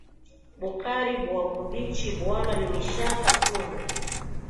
Bukari bwa mubichi buna lumishaka tumbo